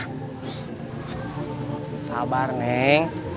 kamu sabar neng